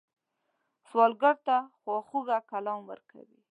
سوالګر ته خواږه کلام ورکوئ